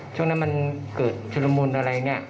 ช่วงนั้นมันเกิดชุลมุนอะไรเนี่ย